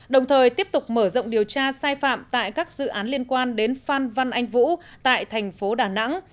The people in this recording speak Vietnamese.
đồng thời tiếp tục mở rộng điều tra sai phạm tại các dự án liên quan đến phan văn anh vũ tại thành phố đà nẵng